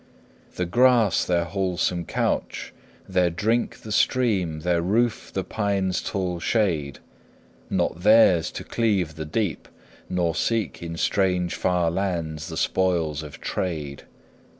The grass their wholesome couch, their drink The stream, their roof the pine's tall shade; Not theirs to cleave the deep, nor seek In strange far lands the spoils of trade.